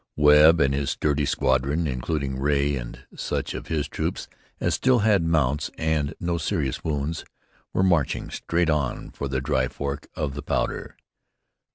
Webb and his sturdy squadron, including Ray and such of his troop as still had mounts and no serious wounds, were marching straight on for the Dry Fork of the Powder.